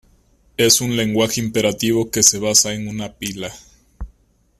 Es un lenguaje imperativo que se basa en una pila.